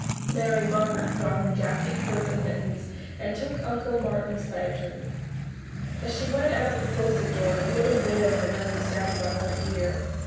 Mary Margaret put on her jacket, hood and mittens, and took Uncle Martin's lantern. As she went out and closed the door, a little wail from Nellie sounded on her ear.